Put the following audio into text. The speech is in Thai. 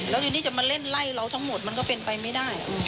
แล้วทีนี้จะมาเล่นไล่เราทั้งหมดมันก็เป็นไปไม่ได้